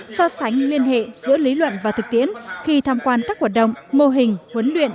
so sánh liên hệ giữa lý luận và thực tiễn khi tham quan các hoạt động mô hình huấn luyện